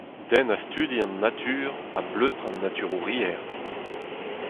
Den a studi an natur, a bleustr an naturouriezh.